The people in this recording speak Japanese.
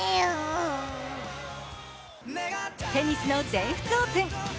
テニスの全仏オープン。